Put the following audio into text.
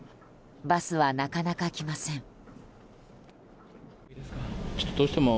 バスはなかなか来ません。